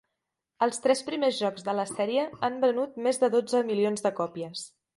Els tres primers jocs de la sèrie han venut més de dotze milions de còpies.